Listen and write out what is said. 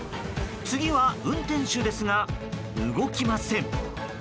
次は運転手ですが動きません。